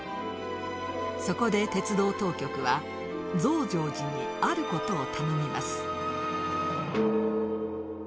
そこで鉄道当局は増上寺にある事を頼みます。